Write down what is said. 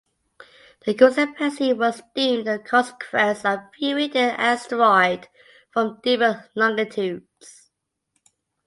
The discrepancy was deemed a consequence of viewing the asteroid from different longitudes.